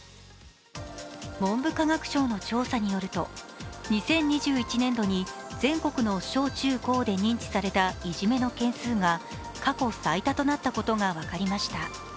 文部科学省の調査によると、２０２１年度に全国の小中学校で認知されたいじめの件数が過去最多となったことが分かりました。